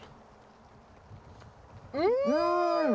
うん！